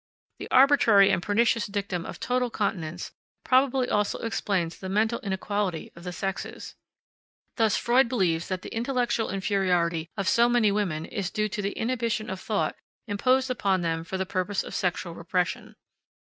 The arbitrary and pernicious dictum of total continence probably also explains the mental inequality of the sexes. Thus Freud believes that the intellectual inferiority of so many women is due to the inhibition of thought imposed upon them for the purpose of sexual repression.